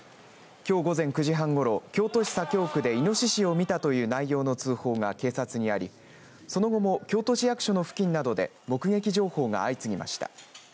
きょう午前９時半ごろ京都市左京区でイノシシを見たという内容の通報が警察にありその後も京都市役所の付近などで目撃情報が相次ぎました。